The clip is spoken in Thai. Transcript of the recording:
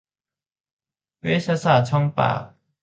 เวชศาสตร์ช่องปาก